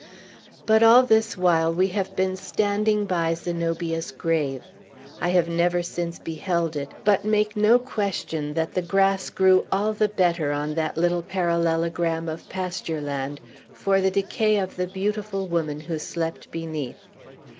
But, all this while, we have been standing by Zenobia's grave. I have never since beheld it, but make no question that the grass grew all the better, on that little parallelogram of pasture land, for the decay of the beautiful woman who slept beneath.